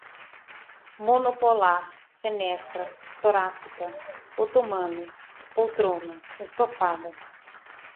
monopolar, fenestrada, torácica, otomano, poltrona, estofada